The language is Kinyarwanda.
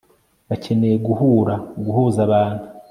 bakeneye guhura guhuza abantu